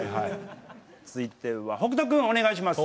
続いては北斗君お願いします。